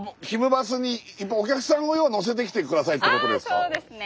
あそうですね。